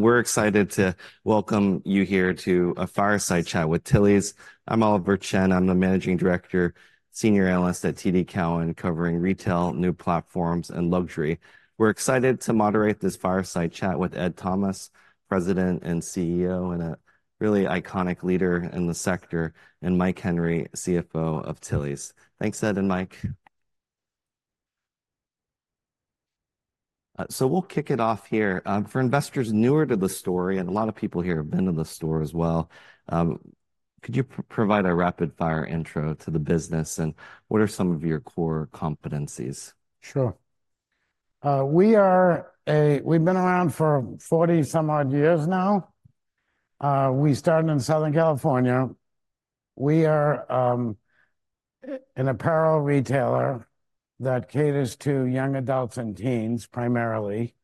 We're excited to welcome you here to a Fireside Chat with Tilly's. I'm Oliver Chen. I'm the Managing Director, Senior Analyst at TD Cowen, covering retail, new platforms, and luxury. We're excited to moderate this Fireside Chat with Ed Thomas, President and CEO, and a really iconic leader in the sector, and Mike Henry, CFO of Tilly's. Thanks, Ed and Mike. So we'll kick it off here. For investors newer to the story, and a lot of people here have been to the store as well, could you provide a rapid-fire intro to the business, and what are some of your core competencies? Sure. We've been around for 40-some-odd years now. We started in Southern California. We are an apparel retailer that caters to young adults and teens, primarily.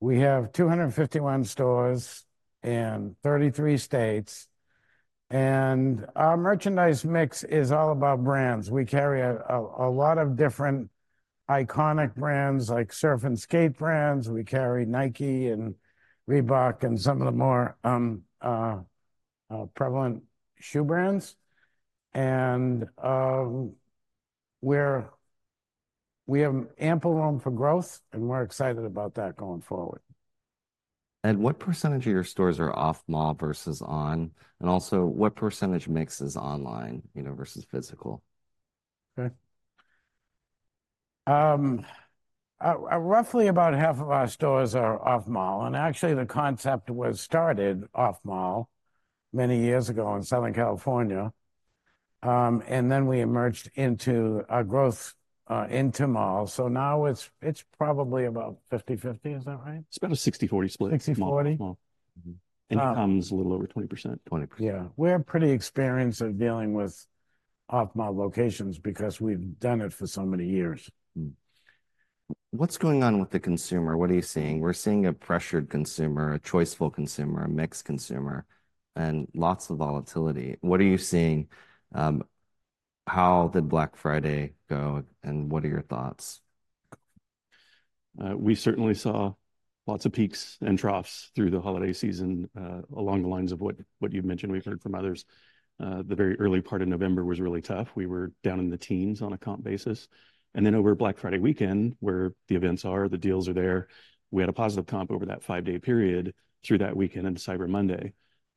We have 251 stores in 33 states, and our merchandise mix is all about brands. We carry a lot of different iconic brands, like surf and skate brands. We carry Nike and Reebok and some of the more prevalent shoe brands. We have ample room for growth, and we're excited about that going forward. Ed, what percentage of your stores are off-mall versus on? And also, what percentage mix is online, you know, versus physical? Okay. Roughly about half of our stores are off-mall, and actually the concept was started off-mall many years ago in Southern California. And then we emerged into a growth, into malls. So now it's, it's probably about 50/50. Is that right? It's about a 60/40 split. Sixty/forty? Mall, mall. Mm-hmm. Um- E-com's a little over 20%. 20%. Yeah. We're pretty experienced at dealing with off-mall locations because we've done it for so many years. Mm-hmm. What's going on with the consumer? What are you seeing? We're seeing a pressured consumer, a choiceful consumer, a mixed consumer, and lots of volatility. What are you seeing? How did Black Friday go, and what are your thoughts? We certainly saw lots of peaks and troughs through the holiday season, along the lines of what you've mentioned. We've heard from others. The very early part of November was really tough. We were down in the teens on a comp basis, and then over Black Friday weekend, where the events are, the deals are there, we had a positive comp over that five-day period through that weekend into Cyber Monday.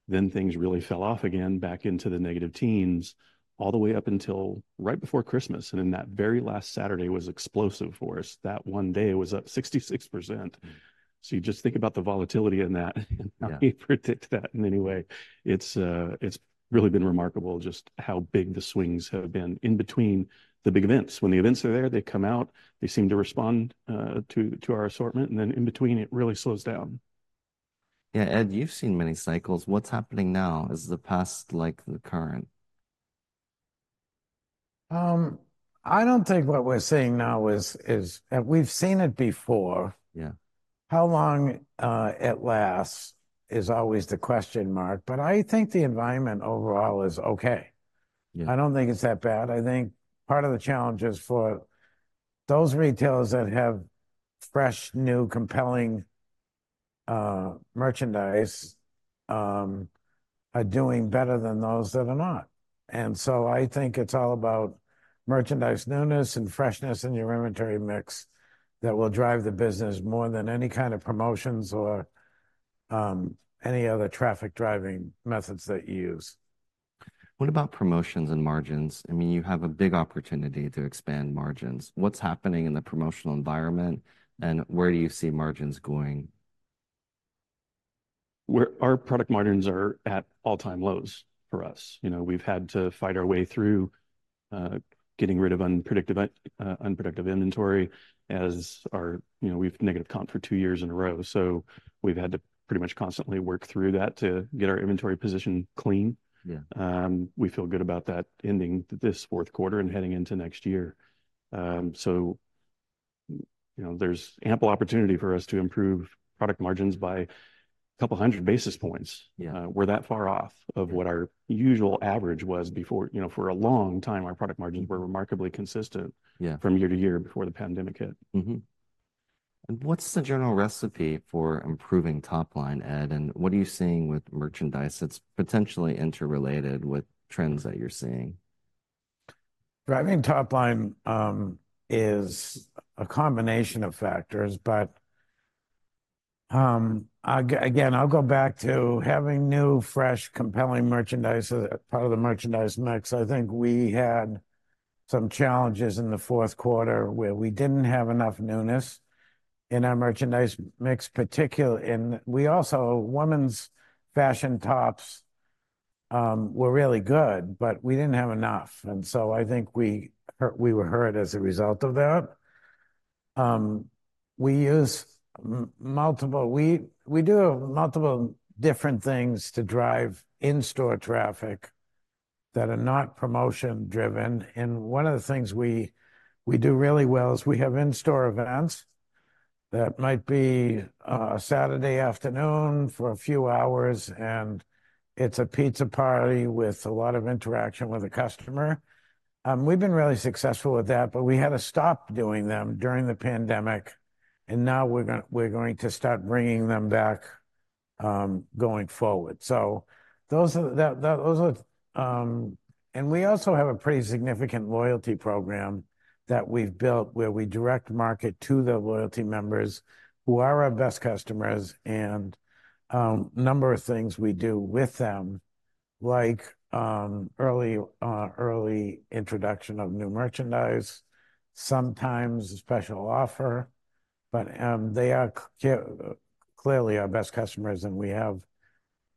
Then things really fell off again, back into the negative teens, all the way up until right before Christmas, and then that very last Saturday was explosive for us. That one day was up 66%. Mm. you just think about the volatility in that, Yeah... and how we predict that in any way. It's, it's really been remarkable just how big the swings have been in between the big events. When the events are there, they come out. They seem to respond to our assortment, and then in between, it really slows down. Yeah, Ed, you've seen many cycles. What's happening now? Is the past like the current? I don't think what we're seeing now is... We've seen it before. Yeah. How long it lasts is always the question mark, but I think the environment overall is okay. Yeah. I don't think it's that bad. I think part of the challenge is for those retailers that have fresh, new, compelling, merchandise, are doing better than those that are not. And so I think it's all about merchandise newness and freshness in your inventory mix that will drive the business more than any kind of promotions or, any other traffic-driving methods that you use. What about promotions and margins? I mean, you have a big opportunity to expand margins. What's happening in the promotional environment, and where do you see margins going? Our product margins are at all-time lows for us. You know, we've had to fight our way through, getting rid of unproductive inventory. You know, we've negative comp for two years in a row. So we've had to pretty much constantly work through that to get our inventory position clean. Yeah. We feel good about that ending this fourth quarter and heading into next year. So, you know, there's ample opportunity for us to improve product margins by a couple hundred basis points. Yeah. We're that far off of what our usual average was before... You know, for a long time, our product margins were remarkably consistent- Yeah... from year to year, before the pandemic hit. Mm-hmm. And what's the general recipe for improving top line, Ed, and what are you seeing with merchandise that's potentially interrelated with trends that you're seeing? Driving top line is a combination of factors, but I again, I'll go back to having new, fresh, compelling merchandise as part of the merchandise mix. I think we had some challenges in the fourth quarter, where we didn't have enough newness in our merchandise mix. And we also... Women's fashion tops were really good, but we didn't have enough, and so I think we were hurt as a result of that. We use multiple different things to drive in-store traffic that are not promotion-driven. And one of the things we do really well is we have in-store events that might be a Saturday afternoon for a few hours, and it's a pizza party with a lot of interaction with the customer. We've been really successful with that, but we had to stop doing them during the pandemic, and now we're going to start bringing them back, going forward. So those are. And we also have a pretty significant loyalty program that we've built, where we direct market to the loyalty members, who are our best customers, and number of things we do with them, like early introduction of new merchandise, sometimes a special offer. But they are clearly our best customers, and we have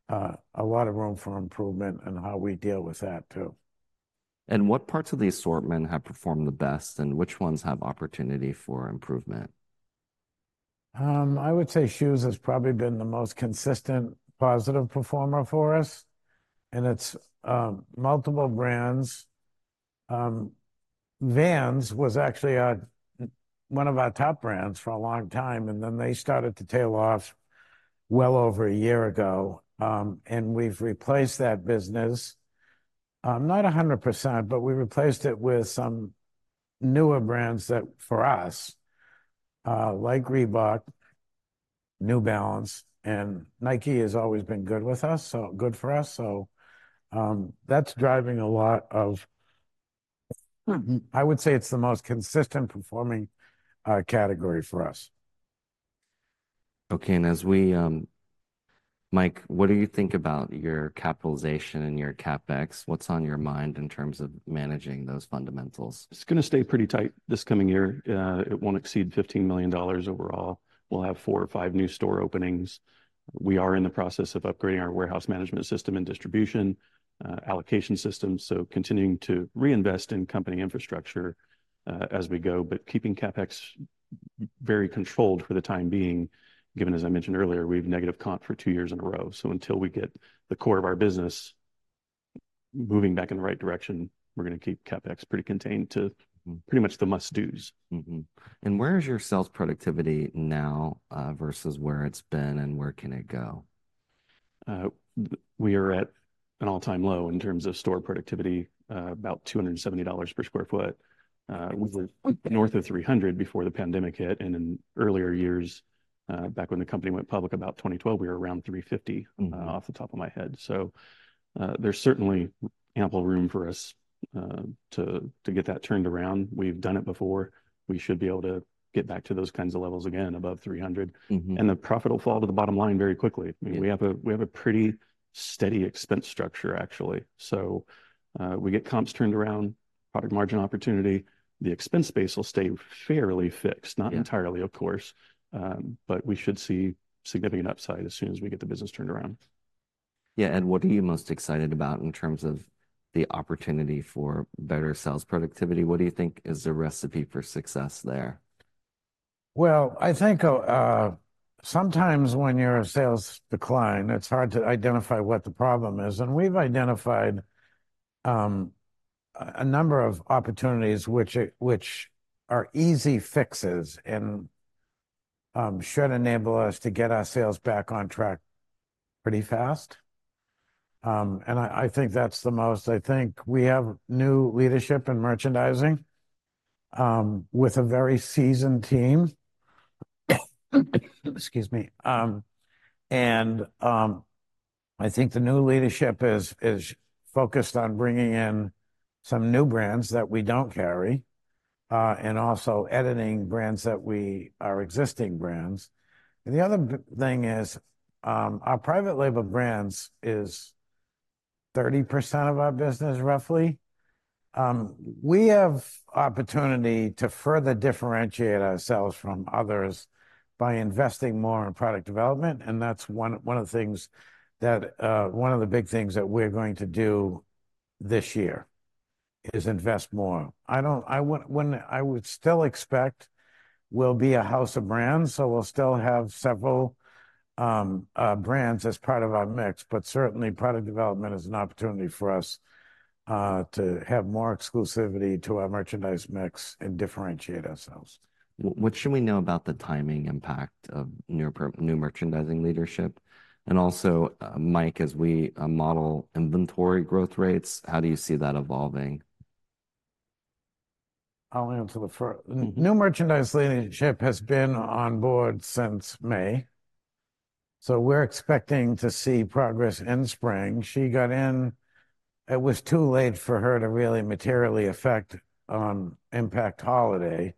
a lot of room for improvement in how we deal with that, too. What parts of the assortment have performed the best, and which ones have opportunity for improvement? I would say shoes has probably been the most consistent positive performer for us, and it's multiple brands. Vans was actually our, one of our top brands for a long time, and then they started to tail off well over a year ago. And we've replaced that business, not 100%, but we replaced it with some newer brands that, for us, like Reebok, New Balance, and Nike has always been good with us, so good for us. So, that's driving a lot of... I would say it's the most consistent performing category for us. Okay, and as we... Mike, what do you think about your capitalization and your CapEx? What's on your mind in terms of managing those fundamentals? It's gonna stay pretty tight this coming year. It won't exceed $15 million overall. We'll have four or five new store openings. We are in the process of upgrading our warehouse management system and distribution, allocation system, so continuing to reinvest in company infrastructure, as we go. But keeping CapEx very controlled for the time being, given, as I mentioned earlier, we have negative comp for two years in a row. So until we get the core of our business moving back in the right direction, we're gonna keep CapEx pretty contained to pretty much the must-dos. Mm-hmm. Where is your sales productivity now, versus where it's been, and where can it go? We are at an all-time low in terms of store productivity, about $270 per sq ft. We were north of $300 before the pandemic hit, and in earlier years, back when the company went public about 2012, we were around $350- Mm-hmm... off the top of my head. So, there's certainly ample room for us to get that turned around. We've done it before. We should be able to get back to those kinds of levels again, above 300. Mm-hmm. The profit will fall to the bottom line very quickly. Yeah. I mean, we have a pretty steady expense structure, actually. So, we get comps turned around, product margin opportunity, the expense base will stay fairly fixed. Yeah. Not entirely, of course, but we should see significant upside as soon as we get the business turned around. Yeah, Ed, what are you most excited about in terms of the opportunity for better sales productivity? What do you think is the recipe for success there? Well, I think sometimes when your sales decline, it's hard to identify what the problem is. And we've identified a number of opportunities which are easy fixes and should enable us to get our sales back on track pretty fast. And I think that's the most... I think we have new leadership in merchandising with a very seasoned team. Excuse me. And I think the new leadership is focused on bringing in some new brands that we don't carry and also editing brands that we... our existing brands. The other thing is, our private label brands is 30% of our business, roughly. We have opportunity to further differentiate ourselves from others by investing more in product development, and that's one of the big things that we're going to do this year, is invest more. I would still expect we'll be a house of brands, so we'll still have several brands as part of our mix. But certainly, product development is an opportunity for us to have more exclusivity to our merchandise mix and differentiate ourselves. What should we know about the timing impact of new merchandising leadership? And also, Mike, as we model inventory growth rates, how do you see that evolving? I'll answer the first. Mm-hmm. New merchandise leadership has been on board since May, so we're expecting to see progress in spring. She got in. It was too late for her to really materially affect, impact holiday,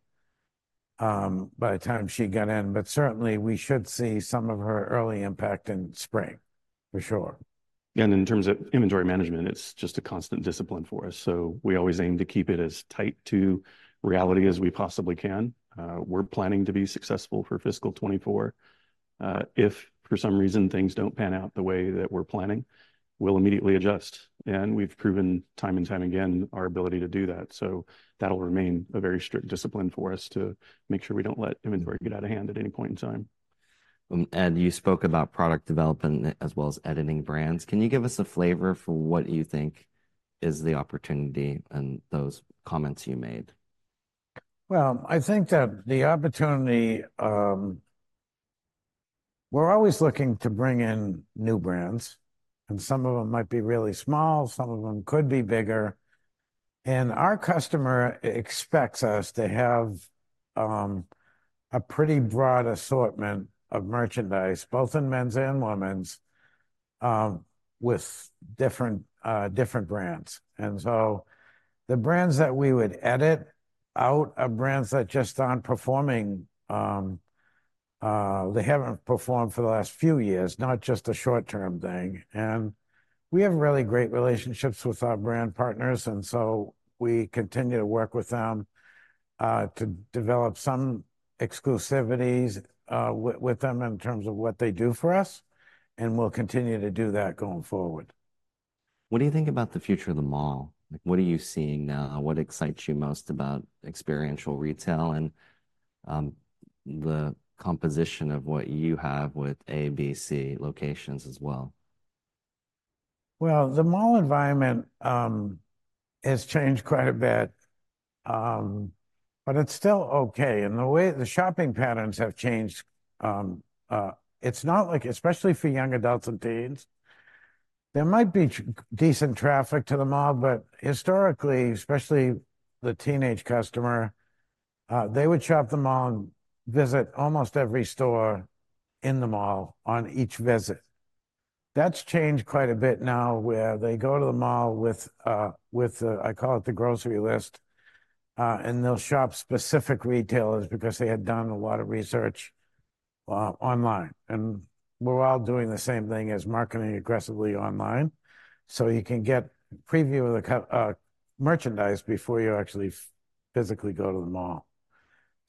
by the time she got in, but certainly, we should see some of her early impact in spring, for sure. In terms of inventory management, it's just a constant discipline for us, so we always aim to keep it as tight to reality as we possibly can. We're planning to be successful for fiscal 2024. If for some reason things don't pan out the way that we're planning, we'll immediately adjust, and we've proven time and time again our ability to do that. So that'll remain a very strict discipline for us to make sure we don't let inventory get out of hand at any point in time. Ed, you spoke about product development as well as editing brands. Can you give us a flavor for what you think is the opportunity in those comments you made? Well, I think that the opportunity. We're always looking to bring in new brands, and some of them might be really small, some of them could be bigger. And our customer expects us to have a pretty broad assortment of merchandise, both in men's and women's, with different, different brands. And so the brands that we would edit out are brands that just aren't performing. They haven't performed for the last few years, not just a short-term thing. And we have really great relationships with our brand partners, and so we continue to work with them to develop some exclusivities, with them in terms of what they do for us, and we'll continue to do that going forward. What do you think about the future of the mall? Like, what are you seeing now? What excites you most about experiential retail and the composition of what you have with A, B, C locations as well? Well, the mall environment has changed quite a bit. But it's still okay. And the way the shopping patterns have changed, it's not like, especially for young adults and teens, there might be decent traffic to the mall, but historically, especially the teenage customer, they would shop the mall and visit almost every store in the mall on each visit. That's changed quite a bit now, where they go to the mall with the, I call it the grocery list, and they'll shop specific retailers because they had done a lot of research online. And we're all doing the same thing as marketing aggressively online, so you can get a preview of the merchandise before you actually physically go to the mall.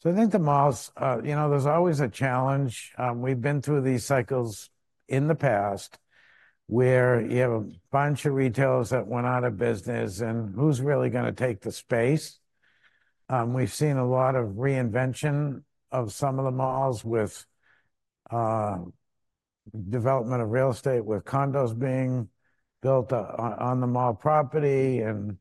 So I think the malls, you know, there's always a challenge. We've been through these cycles in the past, where you have a bunch of retailers that went out of business, and who's really gonna take the space? We've seen a lot of reinvention of some of the malls with development of real estate, with condos being built on the mall property and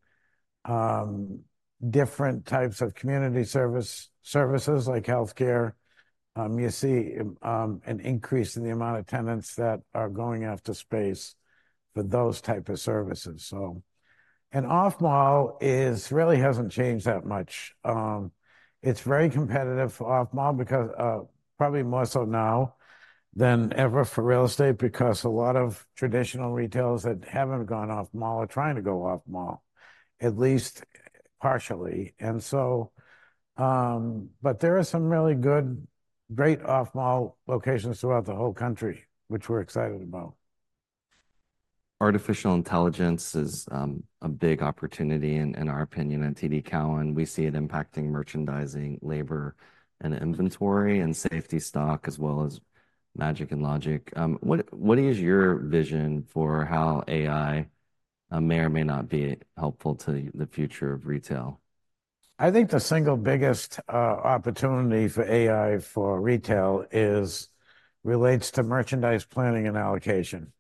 different types of community service, services like healthcare. You see an increase in the amount of tenants that are going after space for those type of services. So... And off-mall really hasn't changed that much. It's very competitive for off-mall because probably more so now than ever for real estate, because a lot of traditional retailers that haven't gone off-mall are trying to go off-mall, at least partially. But there are some really good, great off-mall locations throughout the whole country, which we're excited about. Artificial intelligence is a big opportunity in our opinion at TD Cowen. We see it impacting merchandising, labor, and inventory, and safety stock, as well as magic and logic. What is your vision for how AI may or may not be helpful to the future of retail? I think the single biggest opportunity for AI for retail is relates to merchandise planning and allocation.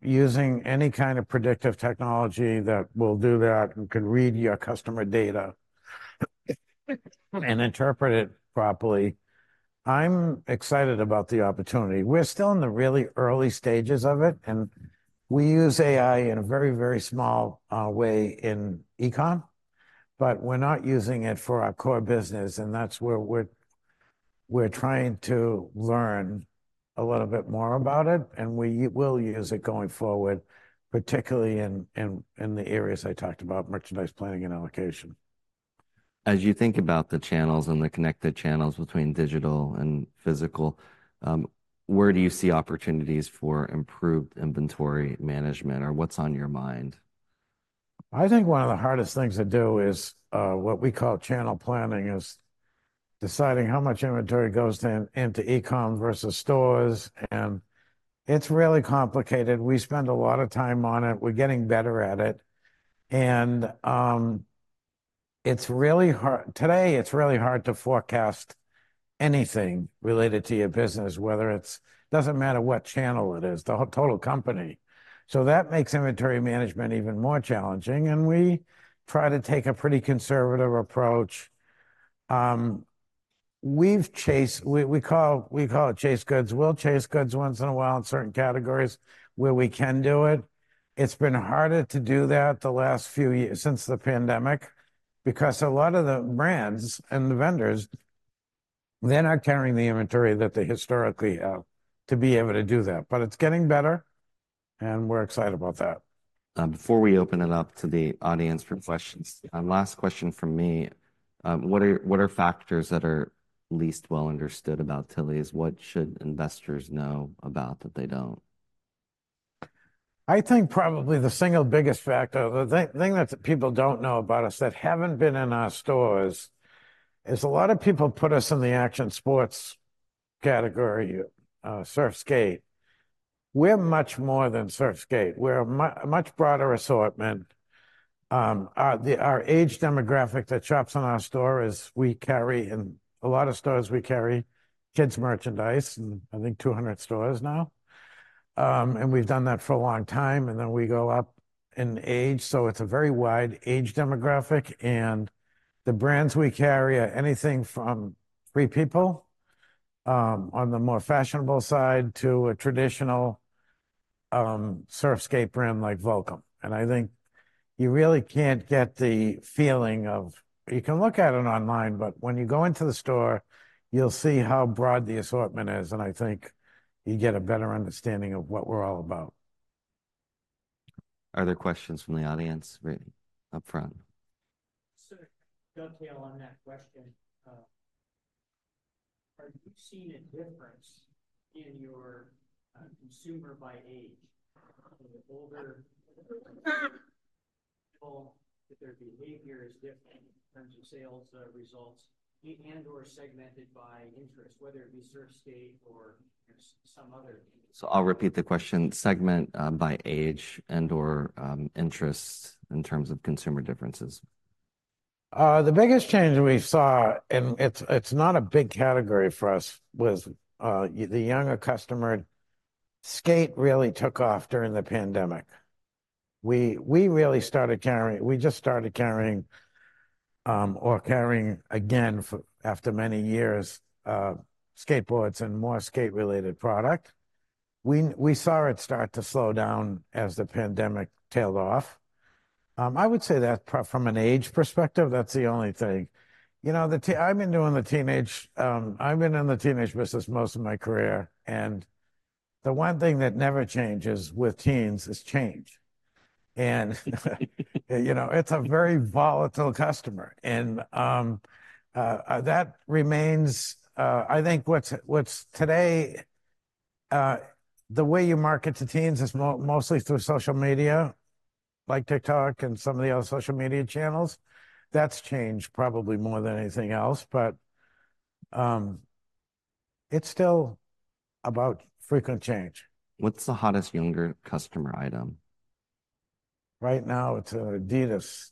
Using any kind of predictive technology that will do that and can read your customer data, and interpret it properly, I'm excited about the opportunity. We're still in the really early stages of it, and we use AI in a very, very small way in e-com, but we're not using it for our core business, and that's where we're trying to learn a little bit more about it, and we will use it going forward, particularly in the areas I talked about, merchandise planning and allocation. As you think about the channels and the connected channels between digital and physical, where do you see opportunities for improved inventory management, or what's on your mind? I think one of the hardest things to do is what we call channel planning, is deciding how much inventory goes down into e-com versus stores, and it's really complicated. We spend a lot of time on it. We're getting better at it. It's really hard. Today, it's really hard to forecast anything related to your business, whether it's doesn't matter what channel it is, the whole total company. So that makes inventory management even more challenging, and we try to take a pretty conservative approach. We've chased. We call it chase goods. We'll chase goods once in a while in certain categories where we can do it. It's been harder to do that the last few years, since the pandemic, because a lot of the brands and the vendors, they're not carrying the inventory that they historically have to be able to do that. But it's getting better, and we're excited about that. Before we open it up to the audience for questions, last question from me. What are factors that are least well understood about Tilly's? What should investors know about that they don't? I think probably the single biggest factor, the thing that people don't know about us that haven't been in our stores, is a lot of people put us in the action sports category, surf, skate. We're much more than surf skate. We're a much broader assortment. Our age demographic that shops in our store is we carry, in a lot of stores, we carry kids' merchandise, in, I think, 200 stores now. And we've done that for a long time, and then we go up in age. So it's a very wide age demographic, and the brands we carry are anything from Free People, on the more fashionable side, to a traditional, surf skate brand like Volcom. I think you really can't get the feeling. You can look at it online, but when you go into the store, you'll see how broad the assortment is, and I think you get a better understanding of what we're all about. Are there questions from the audience? Right up front. So to dovetail on that question, have you seen a difference in your consumer by age? Older if their behavior is different in terms of sales, results, and/or segmented by interest, whether it be surf, skate, or some other? I'll repeat the question: segment by age and/or interests in terms of consumer differences. The biggest change we saw, and it's not a big category for us, was the younger customer. Skate really took off during the pandemic. We really started carrying, we just started carrying, or carrying again after many years, skateboards and more skate-related product. We saw it start to slow down as the pandemic tailed off. I would say that from an age perspective, that's the only thing. You know, I've been doing the teenage, I've been in the teenage business most of my career, and the one thing that never changes with teens is change. And, ... You know, it's a very volatile customer, and that remains. I think. Today, the way you market to teens is mostly through social media, like TikTok and some of the other social media channels. That's changed probably more than anything else. But, it's still about frequent change. What's the hottest younger customer item? Right now, it's Adidas.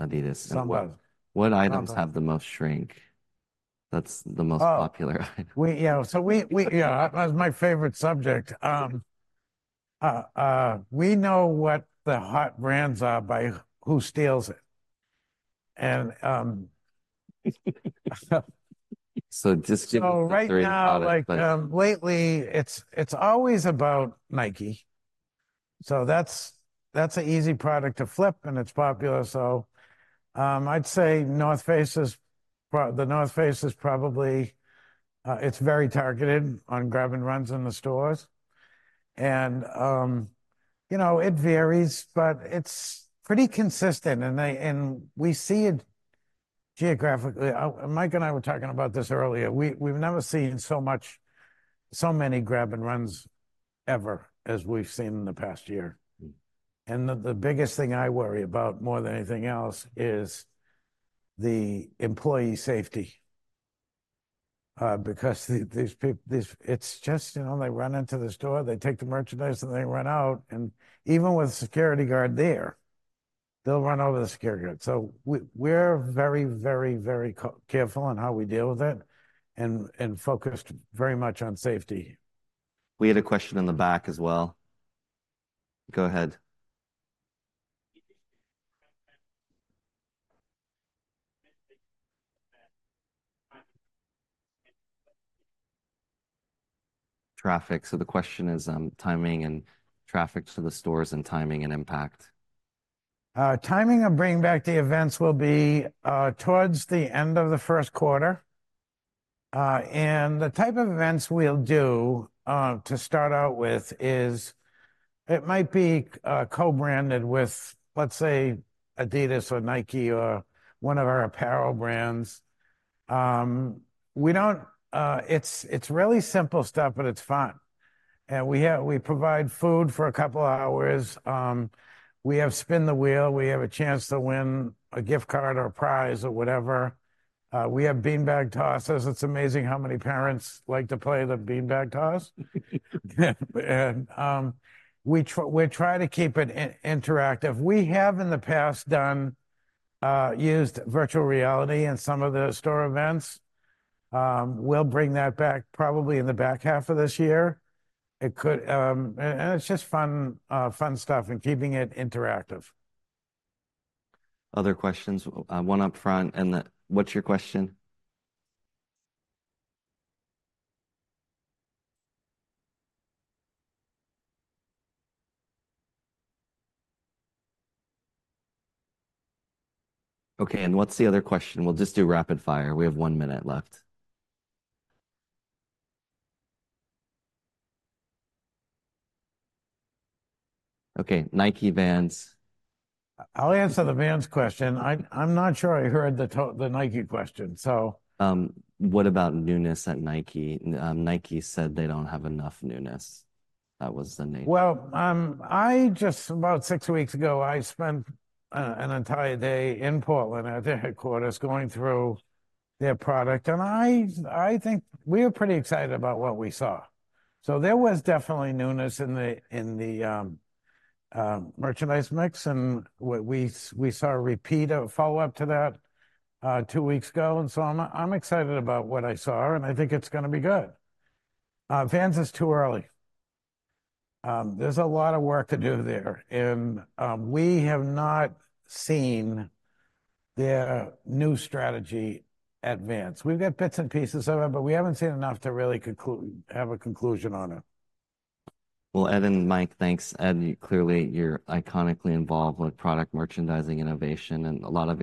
Adidas. Somewhat. What items have the most shrink? That's the most- Oh... popular item? Yeah, so that's my favorite subject. We know what the hot brands are by who steals it. And Just give the three hottest, like- So right now, like, lately, it's always about Nike. So that's an easy product to flip, and it's popular. So, I'd say The North Face is probably, it's very targeted on grab-and-runs in the stores. And, you know, it varies, but it's pretty consistent, and they, and we see it geographically. Mike and I were talking about this earlier. We, we've never seen so much, so many grab-and-runs ever as we've seen in the past year. Mm. And the biggest thing I worry about more than anything else is the employee safety. Because these people—it's just, you know, they run into the store, they take the merchandise, and they run out. And even with a security guard there, they'll run over the security guard. So we're very, very, very careful in how we deal with it and focused very much on safety. We had a question in the back as well. Go ahead. Traffic. So the question is, timing and traffic to the stores and timing and impact. Timing of bringing back the events will be towards the end of the first quarter. And the type of events we'll do to start out with is, it might be co-branded with, let's say, Adidas or Nike or one of our apparel brands. We don't, it's, it's really simple stuff, but it's fun. And we provide food for a couple of hours. We have spin the wheel. We have a chance to win a gift card or a prize or whatever. We have bean bag tosses. It's amazing how many parents like to play the bean bag toss. And we try to keep it interactive. We have, in the past, used virtual reality in some of the store events. We'll bring that back probably in the back half of this year. It could. And it's just fun stuff and keeping it interactive. Other questions? One up front, and the, what's your question? Okay, and what's the other question? We'll just do rapid fire. We have one minute left. Okay, Nike, Vans. I'll answer the Vans question. I'm not sure I heard the Nike question, so... What about newness at Nike? Nike said they don't have enough newness. That was the Nike- Well, I just, about six weeks ago, I spent an entire day in Portland at their headquarters, going through their product. And I think we were pretty excited about what we saw. So there was definitely newness in the merchandise mix, and we saw a repeat, a follow-up to that two weeks ago, and so I'm excited about what I saw, and I think it's gonna be good. Vans is too early. There's a lot of work to do there, and we have not seen their new strategy at Vans. We've got bits and pieces of it, but we haven't seen enough to really have a conclusion on it. Well, Ed and Mike, thanks. Ed, clearly, you're iconically involved with product merchandising, innovation, and a lot of-